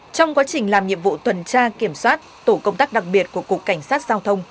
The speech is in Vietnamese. trong quá trình làm nhiệm vụ tuần tra kiểm soát tổ công tác đặc biệt của cục cảnh sát giao thông